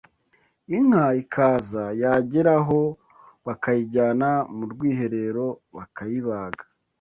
inka ikaza yagera aho bakayijyana mu rwiherero bakayibaga